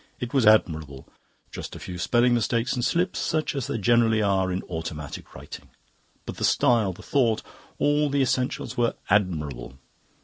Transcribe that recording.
It was admirable. Just a few spelling mistakes and slips, such as there generally are in automatic writing. But the style, the thought all the essentials were admirable.